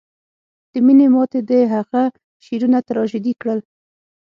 د مینې ماتې د هغه شعرونه تراژیدي کړل